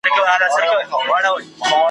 کله کله به یې ویني کړه مشوکه ..